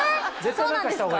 そうなんですか？